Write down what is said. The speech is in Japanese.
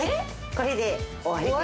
これで終わりです。